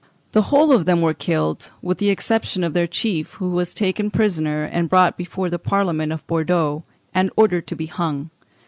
The whole of them were killed, with the exception of their chief, who was taken prisoner and brought before the Parliament of Bordeaux, and ordered to be hung.